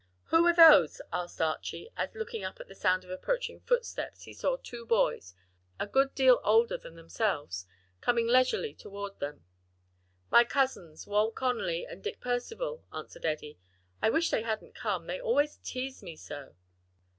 "Who are those?" asked Archie, as looking up at the sound of approaching footsteps he saw two boys, a good deal older than themselves, coming leisurely toward them. "My cousins, Wal Conly and Dick Percival," answered Eddie. "I wish they hadn't come, they always tease me so."